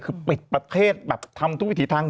คือปิดประเทศแบบทำทุกวิถีทาง